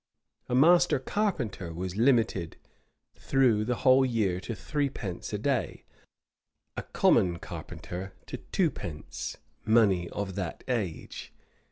A master carpenter was limited through the whole year to threepence a day, a common carpenter to twopence, money of that age.